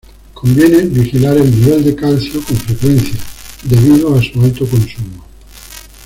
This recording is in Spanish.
Conviene vigilar el nivel de calcio con frecuencia debido a su alto consumo.